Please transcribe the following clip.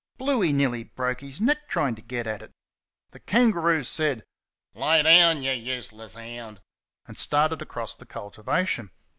Bluey nearly broke his neck trying to get at it. The kangaroo said: "Lay down, you useless hound!" and started across the cultivation!